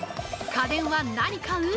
家電はナニ買う！？